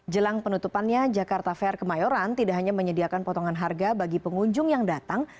jelang penutupannya jakarta fair kemayoran tidak hanya menyediakan potongan harga bagi pengunjung yang datang